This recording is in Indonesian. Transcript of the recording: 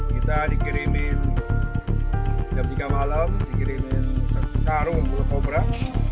kita dikirimin hingga malam dikirimin sekarang berpobrak